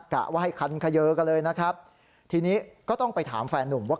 กะว่าให้คันเขยอกันเลยนะครับทีนี้ก็ต้องไปถามแฟนนุ่มว่า